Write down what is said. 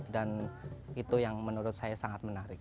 dan itu yang menurut saya sangat menarik